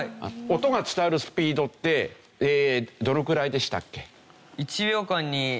音が伝わるスピードってどのくらいでしたっけ？